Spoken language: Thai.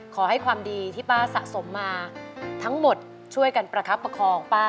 ขอให้ความดีที่ป้าสะสมมาทั้งหมดช่วยกันประคับประคองป้า